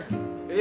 え？